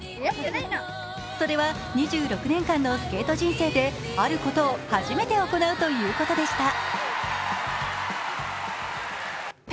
それは２６年間のスケート人生で、あることを初めて行うということでした。